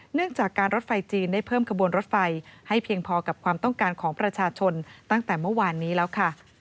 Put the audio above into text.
เนื่องจากการรถไฟจีนได้เพิ่มขบวนรถไฟให้เพียงพอกับความต้องการของประชาชนตั้งแต่เมื่อวานนี้แล้วค่ะ